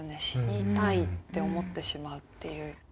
「死にたい」って思ってしまうっていう。